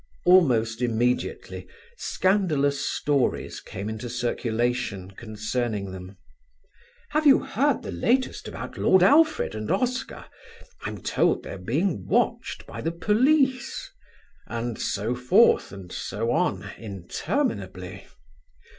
Almost immediately scandalous stories came into circulation concerning them: "Have you heard the latest about Lord Alfred and Oscar? I'm told they're being watched by the police," and so forth and so on interminably.